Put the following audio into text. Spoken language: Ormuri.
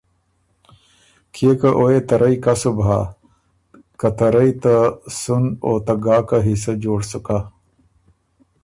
کيې که او يې ته رئ کسُب هۀ، که ته رئ ته سُن او ته ګاکه حصۀ جوړ سُکا۔